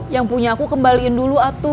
yang punya aku kembalikan dulu atu